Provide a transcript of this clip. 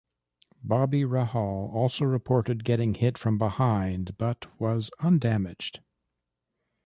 Bobby Rahal also reported getting hit from behind, but was undamaged.